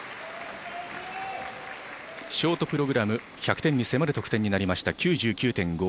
ショートプログラム１００点に迫る得点になりました